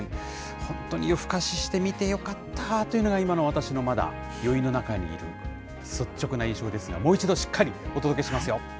本当に夜更かしして見てよかったというのが、今のわたくしのまだ余韻の中にいる率直な印象ですが、もう一度しっかりお届けしますよ。